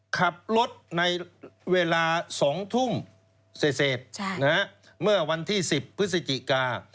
ขับรถในเวลา๒ทุ่มเสร็จเมื่อวันที่๑๐พฤศจิกา